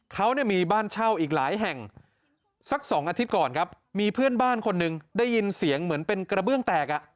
เขาเนี่ยมีบ้านเช่าอีกหลายแห่งสักสองอาทิตย์ก่อนครับมีเพื่อนบ้านคนหนึ่งได้ยินเสียงเหมือนเป็นกระเบื้องแตกอ่ะ